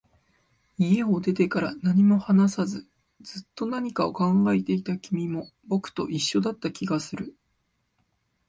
家を出てから、何も話さず、ずっと何かを考えていた君も、僕と一緒だった気がする